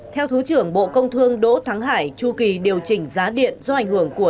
theo thứ trưởng bộ công thương đỗ thắng hải chu kỳ điều chỉnh giá điện do ảnh hưởng của